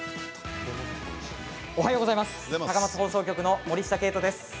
おはようございます高松放送局の森下桂人です。